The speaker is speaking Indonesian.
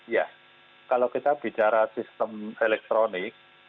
ya kalau kita bicara sistem elektronik